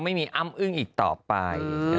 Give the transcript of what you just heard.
ไม่มีอ้ำอึ้งอีกต่อไป